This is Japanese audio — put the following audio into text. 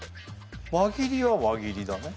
輪切りは輪切りだね。